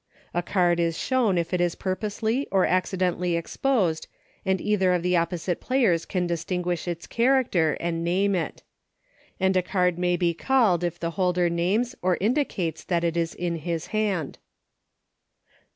A card is shown if it is pur posely, or accidentally exposed, and either of the opposite players can distinguish its char acter, and name it. And a card may be called if the holder names or indicates that it is in his hand.